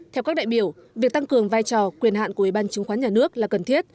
theo các đại biểu việc tăng cường vai trò quyền hạn của ủy ban chứng khoán nhà nước là cần thiết